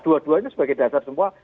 dua duanya sebagai dasar semua